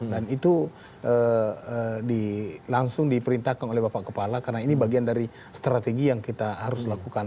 dan itu langsung diperintahkan oleh bapak kepala karena ini bagian dari strategi yang kita harus lakukan